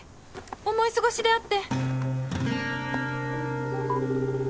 思い過ごしであって